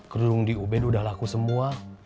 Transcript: kedudung di ubed udah laku semua